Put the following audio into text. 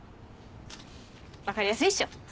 分かりやすいっしょ。